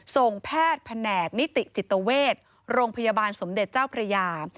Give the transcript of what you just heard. ส่งแพทย์แผนกนิติจิตเวชโรงพยาบาลสมเด็จเจ้าพระยา